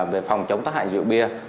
về phòng chống tất hại rượu bia